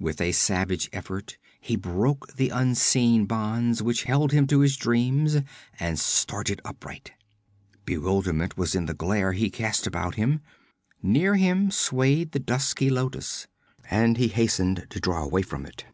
With a savage effort he broke the unseen bonds which held him to his dreams, and started upright. Bewilderment was in the glare he cast about him. Near him swayed the dusky lotus, and he hastened to draw away from it.